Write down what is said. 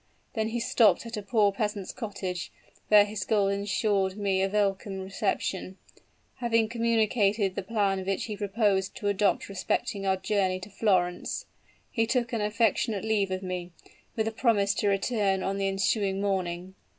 Then he stopped at a poor peasant's cottage, where his gold insured me a welcome reception. Having communicated the plan which he proposed to adopt respecting our journey to Florence, he took an affectionate leave of me, with a promise to return on the ensuing morning.